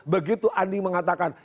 begitu andi mengatakan